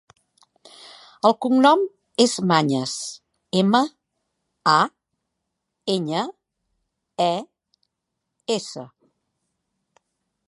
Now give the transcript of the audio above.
El cognom és Mañes: ema, a, enya, e, essa.